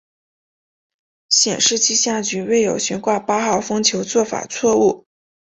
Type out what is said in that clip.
显示气象局未有悬挂八号风球做法错误。